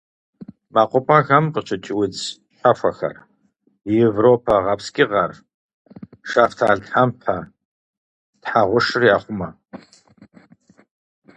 МэкъупӀэхэм къыщыкӀ удз щхьэхуэхэр: европэ гъэпскӀыгъэр, шэфталтхъэмпэ тхьэгъушыр яхъумэ.